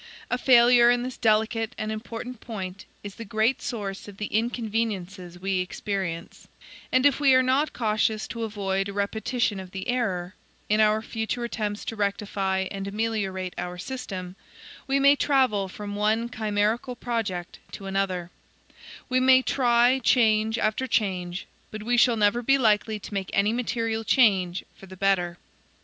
A failure in this delicate and important point is the great source of the inconveniences we experience, and if we are not cautious to avoid a repetition of the error, in our future attempts to rectify and ameliorate our system, we may travel from one chimerical project to another; we may try change after change; but we shall never be likely to make any material change for the better.